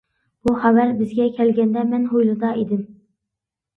بۇ خەۋەر بىزگە كەلگەندە، مەن ھويلىدا ئىدىم.